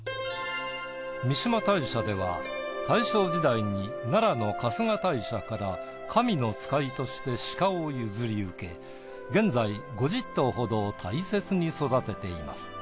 三嶋大社では大正時代に奈良の春日大社から神の使いとして鹿を譲り受け現在５０頭ほどを大切に育てています。